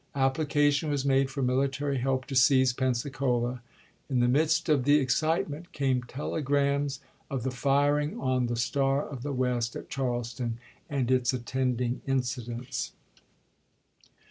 Application was made for military help to seize Pensacola. In the midst of the excitement came telegrams of the firing on the Star of the West at Charleston, and its attending incidents.